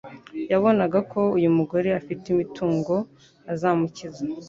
yabonaga ko uyu mugore afite imitungo azamukiza,